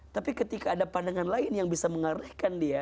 tapi ketika ada pandangan lain yang bisa mengalihkan dia